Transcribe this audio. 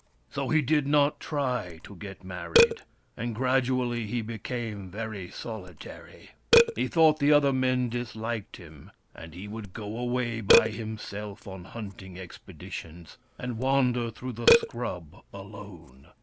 So he did not try to get married, and gradually he became very solitary. He thought the other men disliked him, and he would go away by himself on hunting expeditions, and wander through the scrub alone.